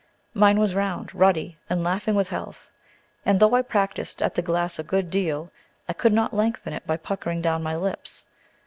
Mine was round, ruddy, and laughing with health; and, though I practiced at the glass a good deal, I could not lengthen it by puckering down my lips.